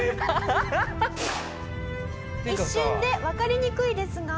一瞬でわかりにくいですが。